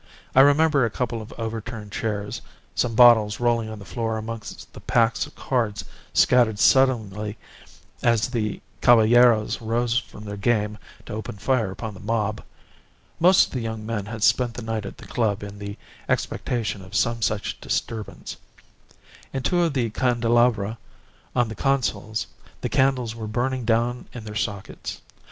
I remember a couple of overturned chairs, some bottles rolling on the floor amongst the packs of cards scattered suddenly as the caballeros rose from their game to open fire upon the mob. Most of the young men had spent the night at the club in the expectation of some such disturbance. In two of the candelabra, on the consoles, the candles were burning down in their sockets.